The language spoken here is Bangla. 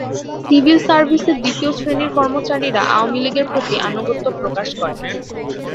সিভিল সার্ভিসের দ্বিতীয় শ্রেণির কর্মচারীরা আওয়ামী লীগের প্রতি আনুগত্য প্রকাশ করে।